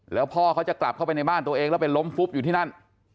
แล้วพ่อเขาจะกลับเข้าไปในบ้านตัวเองแล้วไปล้มฟุบอยู่ที่นั่น